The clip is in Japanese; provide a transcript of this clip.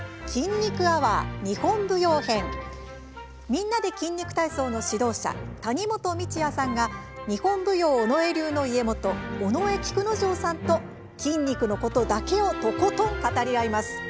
「みんなで筋肉体操」の指導者谷本道哉さんが日本舞踊尾上流の家元尾上菊之丞さんと筋肉のことだけをとことん語り合います。